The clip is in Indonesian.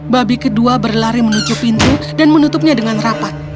babi kedua berlari menuju pintu dan menutupnya dengan rapat